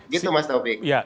gitu mas taufik